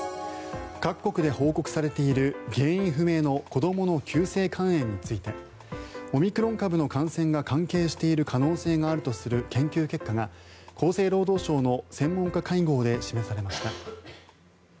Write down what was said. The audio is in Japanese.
各国で報告されている原因不明の子どもの急性肝炎についてオミクロン株の感染が関係している可能性があるとする研究結果が厚生労働省の専門家会合で示されました。